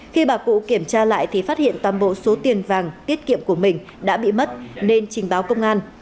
khi bà cụ kiểm tra lại thì phát hiện toàn bộ số tiền vàng tiết kiệm của mình đã bị mất nên trình báo công an